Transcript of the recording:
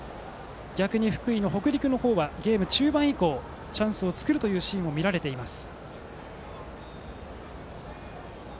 逆に福井の北陸の方はゲーム中盤以降、チャンスを作るシーンも見られています。